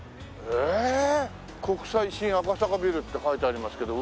国際新赤坂ビルって書いてありますけど。